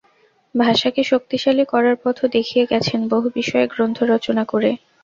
ভাষাকে শক্তিশালী করার পথও দেখিয়ে গেছেন বহু বিষয়ে গ্রন্থ রচনা করে।